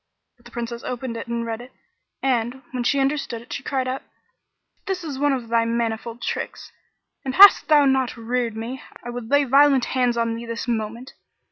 But the Princess opened it and read it and, when she understood it, she cried out, "This is one of thy manifold tricks, and hadst thou not reared me, I would lay violent hands on thee this moment!